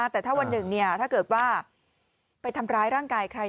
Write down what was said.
แต่ถ้าวันหนึ่งถ้าเกิดว่าไปทำร้ายร่างกายใคร